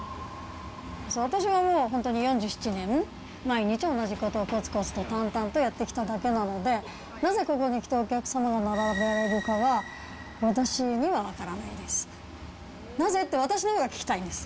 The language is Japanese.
私はもう本当に４７年、毎日同じことをこつこつと淡々とやってきただけなので、なぜ、ここにきて、お客様が並ばれるかは、私には分からないです。